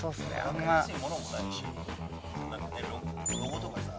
分かりやすいものもないしロゴとかさ。